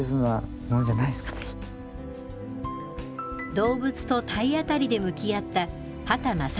動物と体当たりで向き合った畑正憲さん。